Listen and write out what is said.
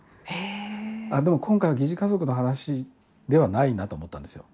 でも今回は疑似家族の話ではないなと思ったんですよ。